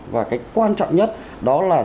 và cái quan trọng nhất đó là